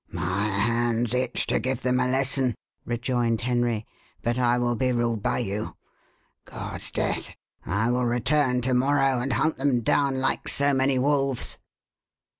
"My hands itch to give them a lesson," rejoined Henry. "But I will be ruled by you. God's death! I will return to morrow, and hunt them down like so many wolves."